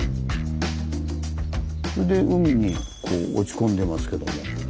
それで海にこう落ち込んでますけども。